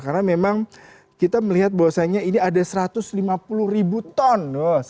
karena memang kita melihat bahwasannya ini ada satu ratus lima puluh ribu ton